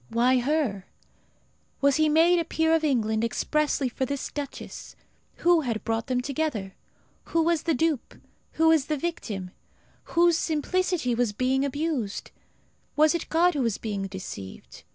Why her? Was he made a peer of England expressly for this duchess? Who had brought them together? Who was the dupe? Who the victim? Whose simplicity was being abused? Was it God who was being deceived?